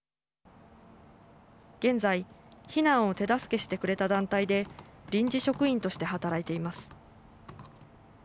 現在避難を手助けしてくれた団体で臨時職員として働いています。